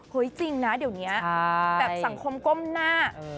จริงนะเดี๋ยวนี้แบบสังคมก้มหน้า